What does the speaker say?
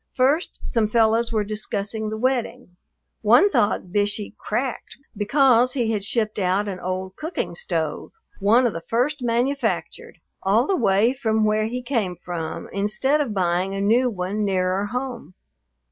First some fellows were discussing the wedding. One thought Bishey "cracked" because he had shipped out an old cooking stove, one of the first manufactured, all the way from where he came from, instead of buying a new one nearer home.